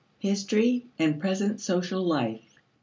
History and Present Social Life.